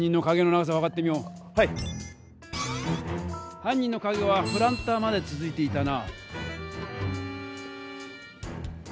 犯人の影はプランターまでつづいていたな。